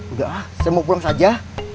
udah ah saya mau pulang saja